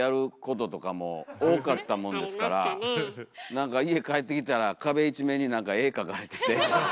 何か家帰ってきたら壁一面に何か絵描かれてて。